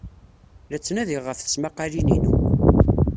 La ttnadiɣ ɣef tesmaqalin-inu